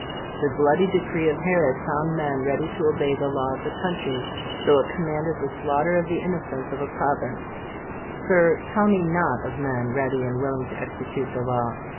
The bloody decree of Herod found men ready to obey the law of the country, though it commanded the slaughter of the innocents of a province, Sir, tell me not of men ready and willing to execute the law!